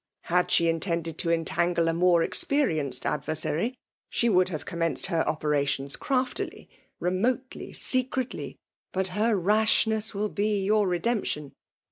Had she intended to entangle a more experi enced adversary, she would have commenced her operations craftily — remotely — secretly; but her rashness will be your redemption.